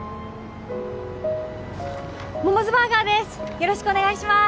モモズバーガーです